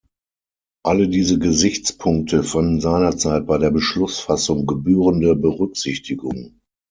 Alle diese Gesichtspunkte fanden seinerzeit bei der Beschlussfassung gebührende Berücksichtigung.